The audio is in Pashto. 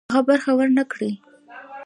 هغه برخه ورنه کړي.